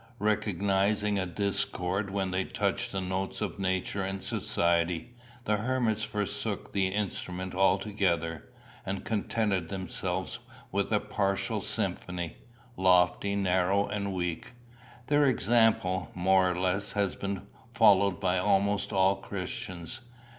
Recognising a discord when they touched the notes of nature and society, the hermits forsook the instrument altogether, and contented themselves with a partial symphony lofty, narrow, and weak. Their example, more or less, has been followed by almost all Christians.